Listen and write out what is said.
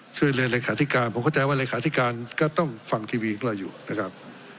ช่วยเรียนเลขาธิการผมเข้าใจว่าเลขาธิการก็ต้องฟังทีวีของเราอยู่นะครับ